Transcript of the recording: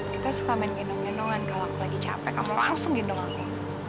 kita suka main gendong gendongan kalau aku lagi capek aku langsung gendong aku